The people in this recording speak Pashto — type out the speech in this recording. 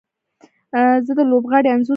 زه د لوبغاړي انځور ګورم.